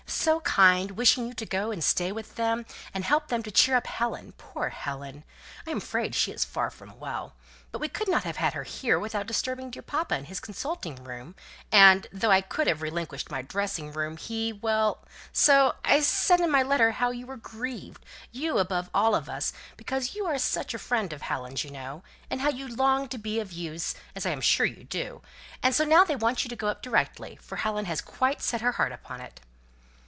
So kind, wishing you to go and stay with them, and help them to cheer up Helen; poor Helen! I am afraid she is very far from well. But we could not have had her here, without disturbing dear papa in his consulting room; and, though I could have relinquished my dressing room he well! so I said in my letter how you were grieved you above all of us, because you are such a friend of Helen's, you know and how you longed to be of use, as I am sure you do and so now they want you to go up directly, for Helen has quite set her heart upon it."